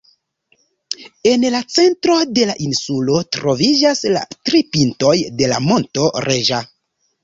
En la centro de la insulo troviĝas la tri pintoj de la monto Reĝa.